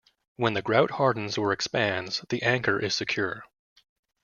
When the grout hardens or expands, the anchor is secure.